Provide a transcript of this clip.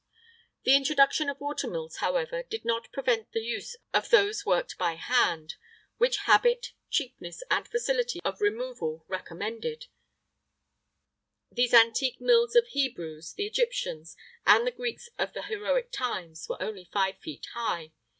[III 42] The introduction of watermills, however, did not prevent the use of those worked by hand, which habit, cheapness, and facility of removal recommended: these antique mills of the Hebrews, the Egyptians, and the Greeks of the heroic times, were only five feet high.